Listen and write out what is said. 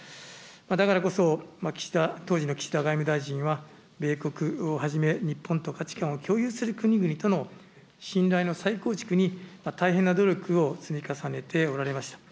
だからこそ、岸田、当時の岸田外務大臣は、米国をはじめ、日本と価値観を共有する国々との信頼の再構築に大変な努力を積み重ねておられました。